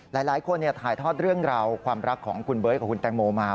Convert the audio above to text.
หลายคนถ่ายทอดเรื่องราวความรักของคุณเบิร์ตกับคุณแตงโมมา